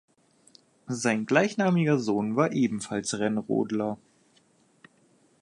Sein gleichnamiger Sohn war ebenfalls Rennrodler.